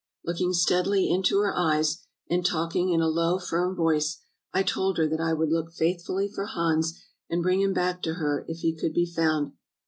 Looking steadily into her eyes, and talk ing in a low, firm voice, I told her that I would look faithfully for Hans, and bring him back to her if he could be found.